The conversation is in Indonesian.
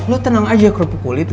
lo tenang aja kerupuk kulit